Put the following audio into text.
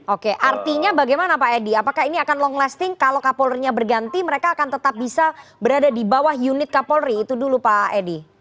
oke artinya bagaimana pak edi apakah ini akan long lasting kalau kapolrinya berganti mereka akan tetap bisa berada di bawah unit kapolri itu dulu pak edi